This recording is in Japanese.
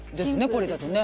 これだとね。